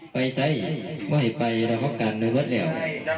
ไปใส่ไม่ให้ไปแล้วเขากันแล้วเบอร์ดแล้ว